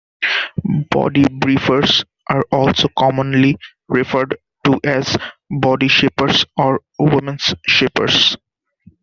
Body briefers are also commonly referred to as "body shapers" or "women's shapers".